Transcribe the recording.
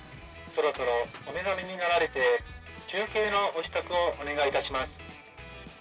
そろそろお目覚めになられて中継のお支度をお願いいたします。